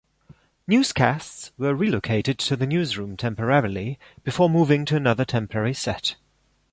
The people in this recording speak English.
Newscasts were relocated to the news room temporarily before moving to another temporary set.